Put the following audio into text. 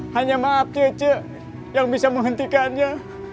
hanya maaf cece yang bisa menghentikannya